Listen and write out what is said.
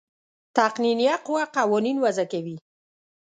تقنینیه قوه قوانین وضع کوي.